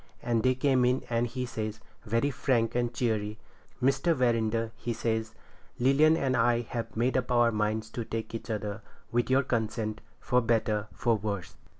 And they came in and he says, very frank and cheery— 'Mr. Verinder,' he says, 'Lilian and I have made up our minds to take each other, with your consent, for better, for worse.'